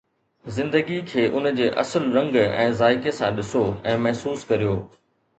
زندگي کي ان جي اصل رنگ ۽ ذائقي سان ڏسو ۽ محسوس ڪريو.